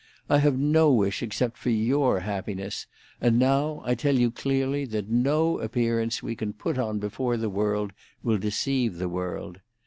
I have no wish except for your happiness, and now I tell you clearly that no appearance we can put on before the world will deceive the world.